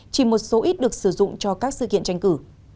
chỉ một số ít được sử dụng cho các sự kiện tranh cử